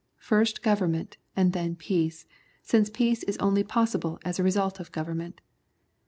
First government and then peace, since peace is only possible as a result of government.